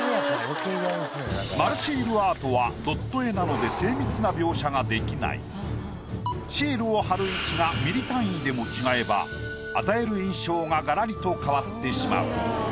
丸シールアートはドット絵なのでシールを貼る位置がミリ単位でも違えば与える印象ががらりと変わってしまう。